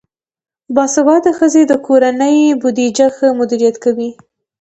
باسواده ښځې د کورنۍ بودیجه ښه مدیریت کوي.